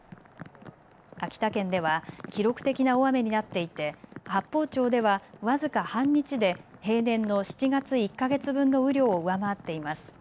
秋田県では記録的な大雨になっていて、八峰町では僅か半日で平年の７月１か月分の雨量を上回っています。